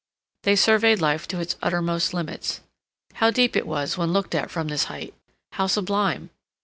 They surveyed life to its uttermost limits. How deep it was when looked at from this height! How sublime!